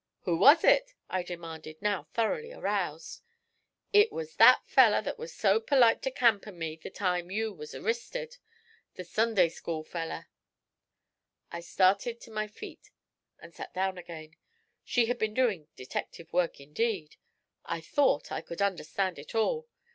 'Who was it?' I demanded, now thoroughly aroused. 'It was that feller that was so perlite to Camp and me the time you was arristed; the Sunday school feller.' I started to my feet, and sat down again. She had been doing detective work indeed! I thought I could understand it all.